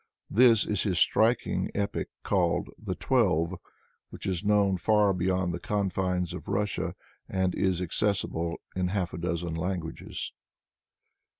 This is his striking epic, called "The Twelve," which is known far beyond the confines of Russia, and is accessible in half a dozea languages.